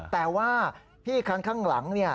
แต่ว่าพี่คันข้างหลัง